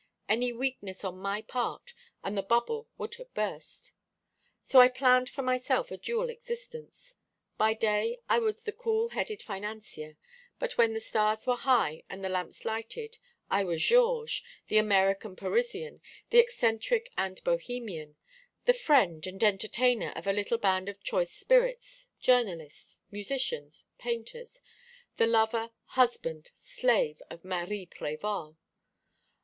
Any weakness on my part and the bubble would have burst. So I planned for myself a dual existence. By day I was the cool headed financier; but when the stars were high and the lamps lighted I was Georges, the American Parisian, the Eccentric and Bohemian the friend and entertainer of a little band of choice spirits, journalists, musicians, painters the lover, husband, slave of Marie Prévol.